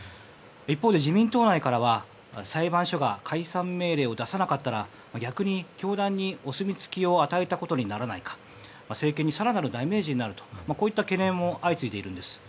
一方で自民党内からは裁判所が解散命令を出さなかったら逆に、教団にお墨付きを与えたことにならないか政権に更なるダメージになると、こういった懸念も相次いでいるんです。